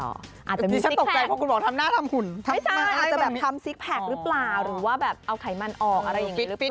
อาจจะมีซิกแพคอาจจะแบบทำซิกแพคหรือเปล่าหรือว่าแบบเอาไขมันออกอะไรอย่างนี้หรือเปล่า